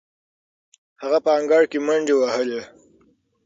هغه په انګړ کې منډې وهلې.